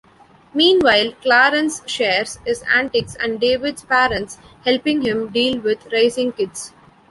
Meanwhile, Clarence shares his antics and David's parents helping him deal with raising kids.